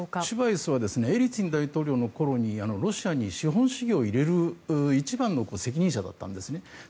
チュバイスはエリツィン大統領の頃にロシアに資本主義を入れる一番の責任者だったんですね。